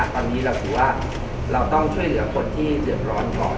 ตอนนี้เราถือว่าเราต้องช่วยเหลือคนที่เดือดร้อนก่อน